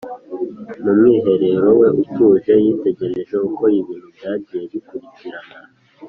. Mu mwiherero we utuje, yitegereje uko ibintu byagiye bikurikirana